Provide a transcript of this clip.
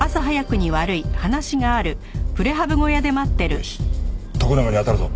よし徳永に当たるぞ。